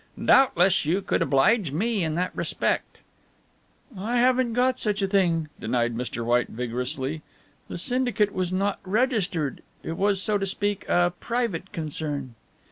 Doubtless you could oblige me in that respect." "I haven't got such a thing," denied Mr. White vigorously, "the syndicate was not registered. It was, so to speak, a private concern."